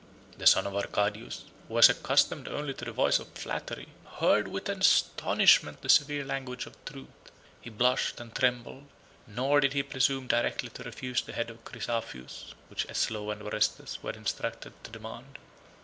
The son of Arcadius, who was accustomed only to the voice of flattery, heard with astonishment the severe language of truth: he blushed and trembled; nor did he presume directly to refuse the head of Chrysaphius, which Eslaw and Orestes were instructed to demand.